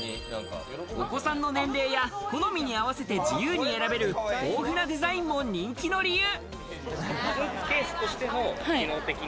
お子さんの年齢や、好みに合わせて自由に選べる、豊富なデザインも人気の理由！